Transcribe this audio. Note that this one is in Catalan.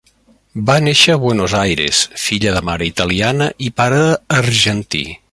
Va néixer a Buenos Aires, filla de mare italiana i pare argentí.